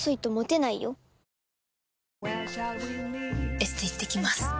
エステ行ってきます。